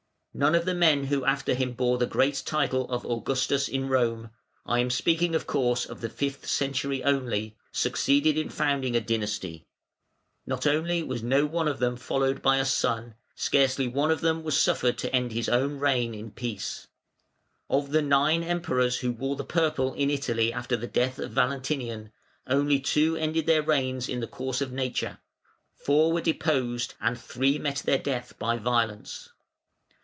None of the men who after him bore the great title of Augustus in Rome (I am speaking, of course, of the fifth century only) succeeded in founding a dynasty. Not only was no one of them followed by a son: scarcely one of them was suffered to end his own reign in peace. Of the nine Emperors who wore the purple in Italy after the death of Valentinian, only two ended their reigns in the course of nature, four were deposed, and three met their death by violence.